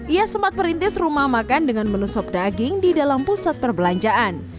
ia sempat merintis rumah makan dengan menu sop daging di dalam pusat perbelanjaan